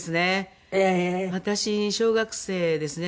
私小学生ですね